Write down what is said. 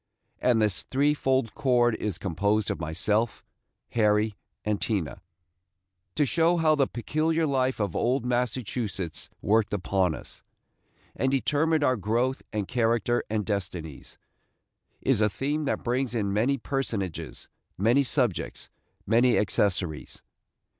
And this threefold cord is composed of myself, Harry, and Tina. To show how the peculiar life of old Massachusetts worked upon us, and determined our growth and character and destinies, is a theme that brings in many personages, many subjects, many accessories.